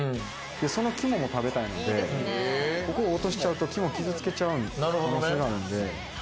その肝も食べたいので、ここを落としちゃうと、肝を傷付けちゃう可能性があるので。